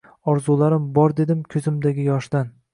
Orzularim bor dedim ko’zimdagi yoshdan